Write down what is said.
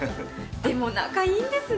でも仲いいんですね。